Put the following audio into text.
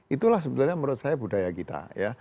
itulah sebetulnya menurut saya budaya kita ya